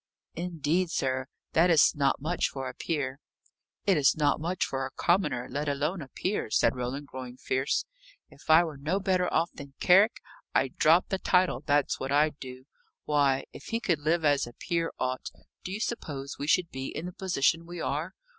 "Indeed, sir! That is not much for a peer." "It's not much for a commoner, let alone a peer," said Roland, growing fierce. "If I were no better off than Carrick, I'd drop the title; that's what I'd do. Why, if he could live as a peer ought, do you suppose we should be in the position we are?